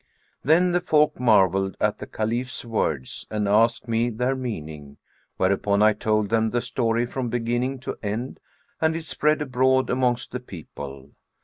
Then the folk marvelled at the Caliph's words and asked me their meaning; whereupon I told them the story from beginning to end and it spread abroad amongst the people."